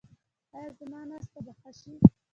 ایا زما ناسته به ښه شي؟